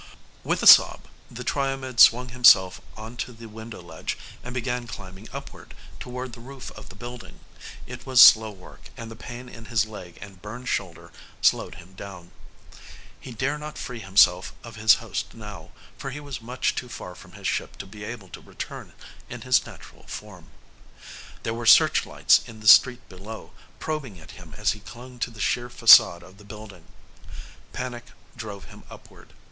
With a sob, the Triomed swung himself onto the window ledge and began climbing upward, toward the roof of the building. It was slow work and the pain in his leg and burned shoulder slowed him down. He dare not free himself of his host now, for he was much too far from his ship to be able to return in his natural form. There were searchlights in the street below, probing at him as he clung to the sheer facade of the building. Panic drove him upward.